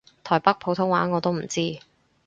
台北普通話我都唔知